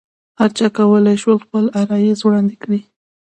هرچا کولای شول خپل عرایض وړاندې کړي.